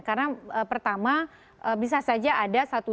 karena pertama bisa saja ada satu dua